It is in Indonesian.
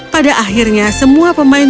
pada akhirnya semua menari menangis